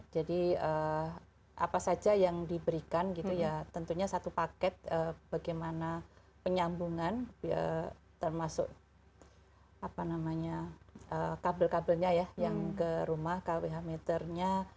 jadi apa saja yang diberikan gitu ya tentunya satu paket bagaimana penyambungan termasuk kabel kabelnya ya yang ke rumah kwh meternya